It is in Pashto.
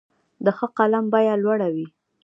د ښه قلم بیه لوړه وي.